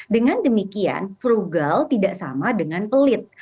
dengan demikian frugal tidak sama dengan pelit